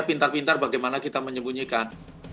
pintar pintar bagaimana kita menyembunyikan